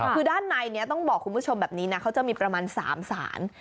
คือด้านในนี้ต้องบอกคุณผู้ชมแบบนี้นะเขาจะมีประมาณ๓สาร